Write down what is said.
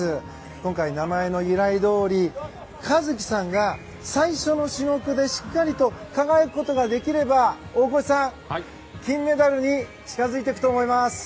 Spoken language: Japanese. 今回、名前の由来どおり一輝さんが最初の種目でしっかりと輝くことができれば大越さん、金メダルに近づいてくると思います。